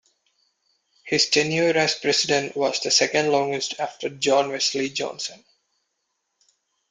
His tenure as president was the second-longest after John Wesley Johnson.